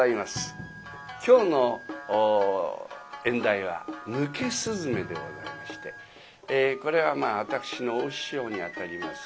今日の演題は「抜け雀」でございましてこれはまあ私の大師匠にあたります